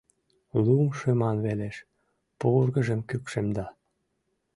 Лум шыман велеш, пургыжым кӱкшемда.